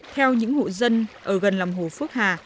theo những hộ dân ở gần lòng hồ phước hà